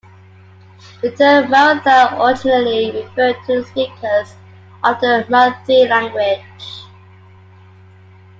The term "Maratha" originally referred to the speakers of the Marathi language.